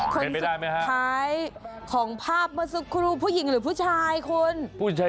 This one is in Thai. คนสุดท้ายของภาพมาสุดครูผู้หญิงหรือผู้ชายคุณ